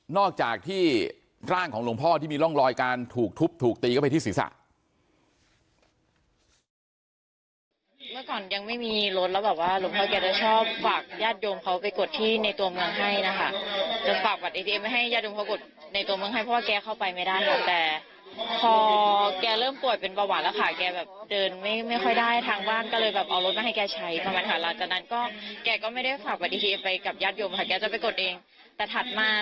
อกจากที่ร่างของหลวงพ่อที่มีร่องรอยการถูกทุบถูกตีเข้าไปที่ศีรษะ